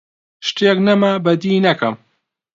شتێک نەما بەدیی نەکەم: